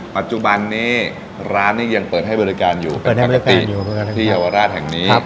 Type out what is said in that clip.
ปัจจุบันนี้ร้านนี้ยังเปิดให้บริการอยู่เป็นปกติที่เยาวราชแห่งนี้